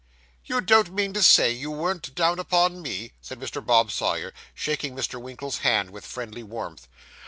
'You don't mean to say you weren't down upon me?' said Mr. Bob Sawyer, shaking Mr. Winkle's hand with friendly warmth.